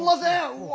うわ